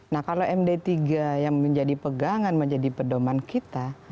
nah kalau md tiga yang menjadi pegangan menjadi pedoman kita